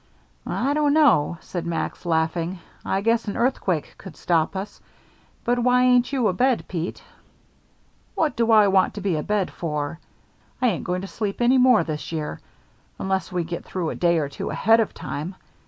"I don't know," said Max, laughing. "I guess an earthquake could stop us. But why ain't you abed, Pete?" "What do I want to be abed for? I ain't going to sleep any more this year unless we get through a day or two ahead of time.